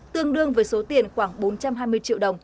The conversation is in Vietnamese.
tương đương với số tiền khoảng bốn trăm hai mươi triệu đồng